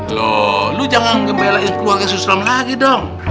lho lu jangan ngebelain keluarga susulam lagi dong